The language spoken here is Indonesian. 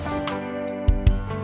aku mau ke rumah